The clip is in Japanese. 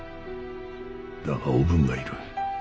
だがおぶんがいる。